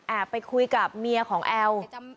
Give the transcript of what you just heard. ไปคุยกับเมียของแอล